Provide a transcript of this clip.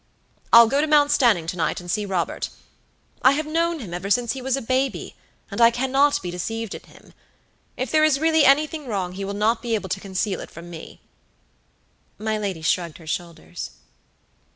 I'll go to Mount Stanning to night, and see Robert. I have known him ever since he was a baby, and I cannot be deceived in him. If there is really anything wrong, he will not be able to conceal it from me." My lady shrugged her shoulders.